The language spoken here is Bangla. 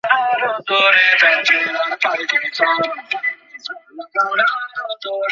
অনেকদিন পরে দেখলাম তোমাকে।